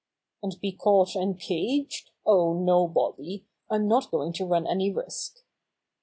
"And be caught and caged? Oh, no, Bobby, I'm not going to run any risk!"